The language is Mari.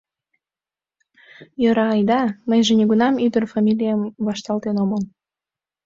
Йора айда, мыйже нигунам ӱдыр фамилием вашталтен омыл.